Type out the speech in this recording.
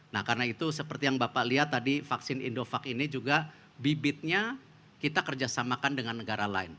nah karena itu seperti yang bapak lihat tadi vaksin indovac ini juga bibitnya kita kerjasamakan dengan negara lain